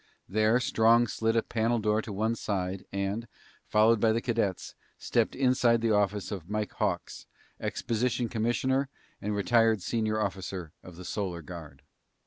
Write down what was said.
There, Strong slid a panel door to one side, and, followed by the cadets, stepped inside the office of Mike Hawks, exposition commissioner and retired senior officer of the Solar Guard.